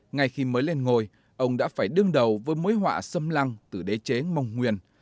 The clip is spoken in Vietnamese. ngày khi mới lên ngồi ông đã phải đương đầu với mối họa xâm lăng từ đế chế mong nguyên